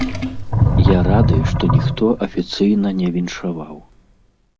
Я рады, што ніхто афіцыйна не віншаваў.